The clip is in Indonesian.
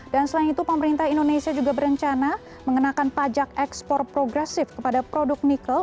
dan selain itu pemerintah indonesia juga berencana mengenakan pajak ekspor progresif kepada produk nikel